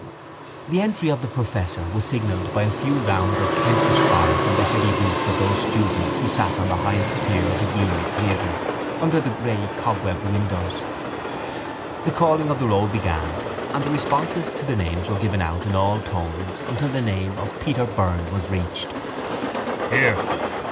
The entry of the professor was signalled by a few rounds of Kentish fire from the heavy boots of those students who sat on the highest tier of the gloomy theatre under the grey cobwebbed windows. The calling of the roll began and the responses to the names were given out in all tones until the name of Peter Byrne was reached. —Here!